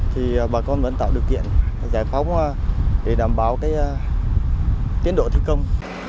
thì bà con vẫn tạo điều kiện giải phóng để đảm bảo cái tiến độ thi công